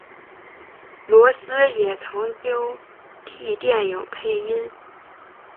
罗斯也曾经替电影配音。